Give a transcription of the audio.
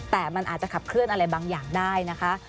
แต่มันอาจจะขับเคลื่อนอะไรบางอย่างได้นะคะ